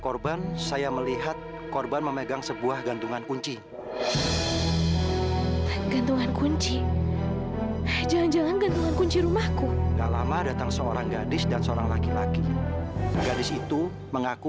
oh kalau begitu lebih baik disetirahatkan dulu saja pak di sini